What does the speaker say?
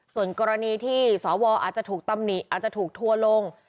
ส่วนกรณีที่สวอาจจะถูกตำหนิอาจจะถูกทัวร์ลง